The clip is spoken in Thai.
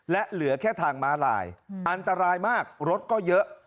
และเหลือแค่ทางม้าลายอันตรายมากรถก็เยอะ